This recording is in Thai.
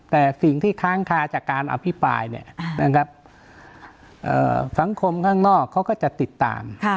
แต่สิ่งที่ค้างคาจากการอภิปรายสังคมข้างนอกเขาก็จะติดตาม